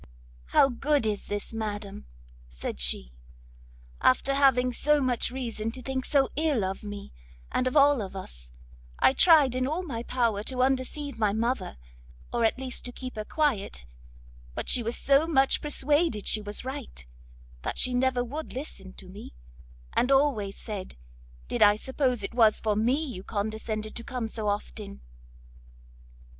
"How good is this, madam," said she, "after having so much reason to think so ill of me and of all of us I tried all in my power to undeceive my mother, or at least to keep her quiet; but she was so much persuaded she was right, that she never would listen to me, and always said, did I suppose it was for me you condescended to come so often?"